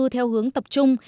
theo hướng tập trung